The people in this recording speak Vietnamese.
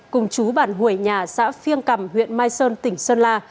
cùng chú bản hủy nhà xã phiêng cằm huyện mai sơn tỉnh sơn la